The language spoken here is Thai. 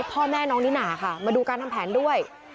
พ่อแม่น้องนิน่าค่ะมาดูการทำแผนด้วย